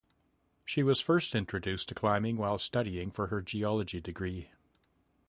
She was first introduced to climbing while studying for her geology degree.